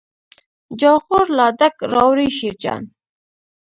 جاغور لا ډک راوړي شیرجان.